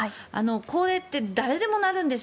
高齢って誰でもなるんです。